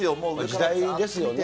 時代ですよね。